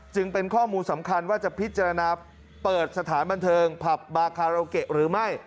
เป็นข้อมูลสำคัญว่าจะพิจารณาเปิดสถานบันเทิงผับบาคาราโอเกะหรือไม่